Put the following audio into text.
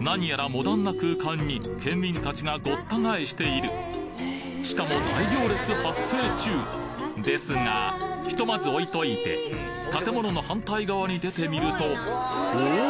何やらモダンな空間に県民たちがごった返しているしかも大行列発生中ですがひとまず置いといて建物の反対側に出てみるとおお！